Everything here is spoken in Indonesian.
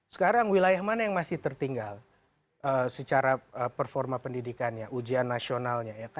sekarang wilayah mana yang masih tertinggal secara performa pendidikannya ujian nasionalnya